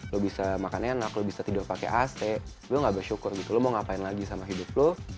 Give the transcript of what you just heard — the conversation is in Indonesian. lo bisa makan enak lo bisa tidur pakai ac lo gak bersyukur gitu lo mau ngapain lagi sama hidup lo